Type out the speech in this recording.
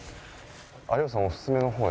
有吉さんおすすめの方。